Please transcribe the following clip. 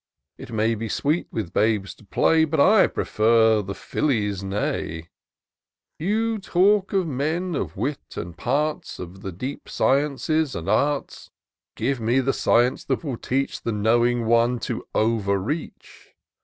It may be sweet with babes to play. But I prefer the Filly's neigh. You talk of men of wit and parts. Of the deep sciences and arts ; Give me the science that will teach The knowing one to over reach : IN SEARCH OF THE PICTURESQUE.